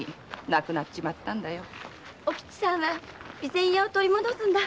お吉さんは「備前屋を取り戻すんだ。